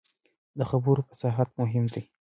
د خبرو فصاحت مهم دی